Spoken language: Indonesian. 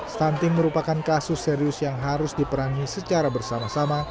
stunting merupakan kasus serius yang harus diperangi secara bersama sama